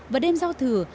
và đêm giao thừa